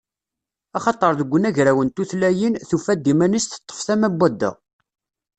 Axaṭer deg unagraw n tutlayin, tufa-d iman-is teṭṭef tama n wadda.